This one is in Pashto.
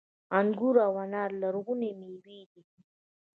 انګور او انار لرغونې میوې دي